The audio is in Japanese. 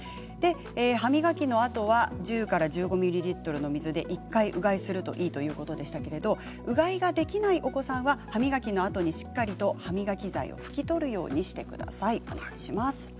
歯磨きのあとは１０から１５ミリリットルの水で１回うがいするといいということなんですがうがいができないお子さんは歯磨きのあとにしっかりと歯磨き剤を拭き取るようにしてください。